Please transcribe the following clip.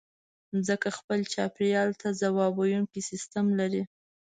مځکه خپل چاپېریال ته ځواب ویونکی سیستم لري.